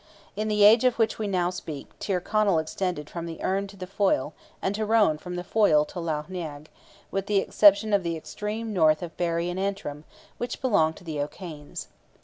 In the age of which we now speak, Tyrconnell extended from the Erne to the Foyle, and Tyrone from the Foyle to Lough Neagh, with the exception of the extreme north of Berry and Antrim, which belonged to the O'Kanes.